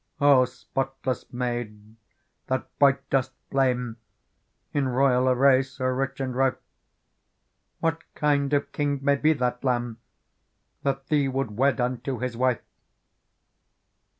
" O spotless maid that bright dost flame In royal array so rich and rife ! What kind of king may be that Lamb That thee would wed unto His wife